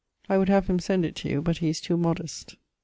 I would have him send it to you, but he is too modest.